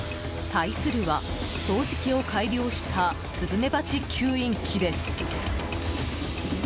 対するは、掃除機を改良したスズメバチ吸引器です。